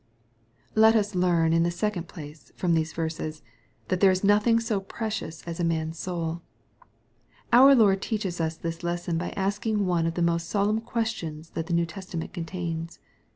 Let us learn, in the second place, from these verses, that there is nothing so precious as a man's soul. Our Lord teaches this lesson by asking one of the most solemn questions that the New Testament contains.